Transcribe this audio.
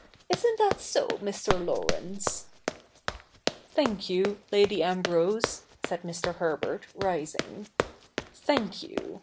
Isn't that so, Mr. Laurence ?'' Thank you. Lady Ambrose,' said Mr. Herbert, rising, ' thank you.